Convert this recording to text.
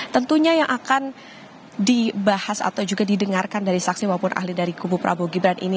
tentunya yang akan dibahas atau juga didengarkan dari saksi maupun ahli dari kubu prabowo gibran ini